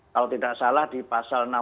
kalau tidak salah di pasal enam puluh